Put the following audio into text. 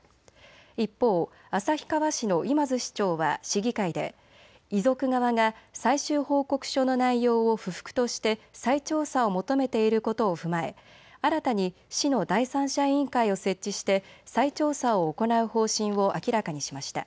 一方、旭川市の今津市長は市議会で遺族側が最終報告書の内容を不服として再調査を求めていることを踏まえ新たに市の第三者委員会を設置して再調査を行う方針を明らかにしました。